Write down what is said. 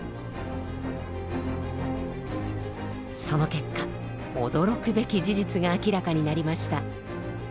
その結果驚くべき事実が明らかになりました。